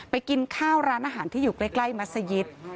กินข้าวร้านอาหารที่อยู่ใกล้มัศยิต